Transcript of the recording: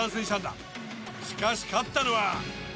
しかし勝ったのは。